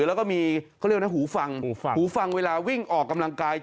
แล้วก็มีเขาเรียกนะหูฟังหูฟังเวลาวิ่งออกกำลังกาย